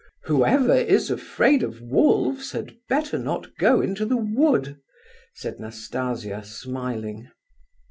"Whoever is afraid of wolves had better not go into the wood," said Nastasia, smiling.